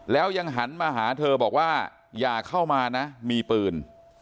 แล้วยังหันมาหาเธอบอกว่าอย่าเข้ามานะมีปืน